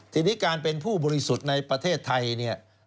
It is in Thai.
ทีนี้การเป็นผู้บริสุทธิ์ในประเทศไทยเนี่ย